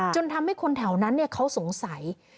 จนทำให้คนแถวนั้นเขาสงสัย